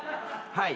はい。